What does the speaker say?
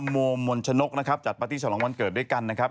โมมนชนกนะครับจัดปาร์ตี้ฉลองวันเกิดด้วยกันนะครับ